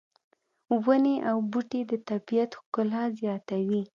ونې او بوټي د طبیعت ښکلا زیاتوي